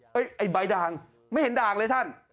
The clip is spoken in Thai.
ไอ้ใบด่างไม่เห็นด่างเลยท่าน